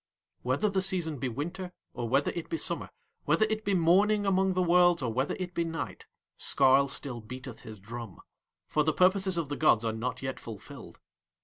Whether the season be winter or whether it be summer, whether it be morning among the worlds or whether it be night, Skarl still beateth his drum, for the purposes of the gods are not yet fulfilled.